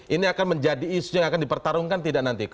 ini akan menjadi isu yang akan dipertarungkan tidak nanti